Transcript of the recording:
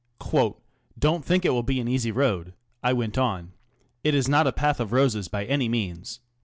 " Don't think it will be an easy road," I went on. " It is not a path of roses by any means.